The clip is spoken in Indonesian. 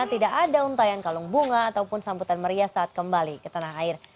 tidak ada untayan kalung bunga ataupun sambutan meriah saat kembali ke tanah air